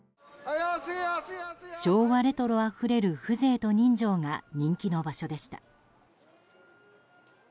昭和レトロあふれる風情と人情が人気の場所でした。